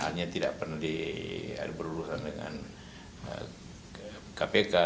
artinya tidak pernah berurusan dengan kpk